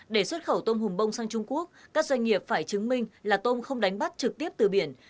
để xuất khẩu tôm hùm bông sang trung quốc các doanh nghiệp phải chứng minh là tôm không đánh bắt trực tiếp từ biển